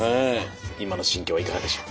今の心境はいかがでしょう？